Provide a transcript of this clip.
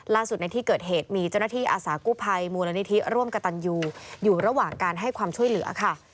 ในที่เกิดเหตุมีเจ้าหน้าที่อาสากู้ภัยมูลนิธิร่วมกระตันยูอยู่ระหว่างการให้ความช่วยเหลือค่ะ